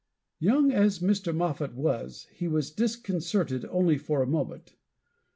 Young as Mr. Moffat was, he was disconcerted only for a moment.